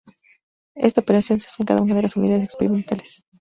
Esta operación se hace en cada una de las unidades experimentales.